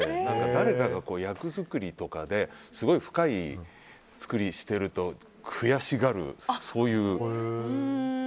誰かが役作りとかですごい深い作りをしていると悔しがるという。